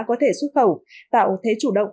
có thể xuất khẩu tạo thế chủ động